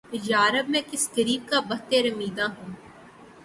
یارب! میں کس غریب کا بختِ رمیدہ ہوں!